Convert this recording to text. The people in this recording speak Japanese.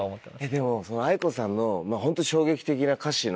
でもそのａｉｋｏさんのホント衝撃的な歌詞の。